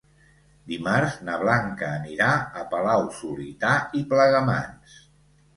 Dimarts na Blanca anirà a Palau-solità i Plegamans.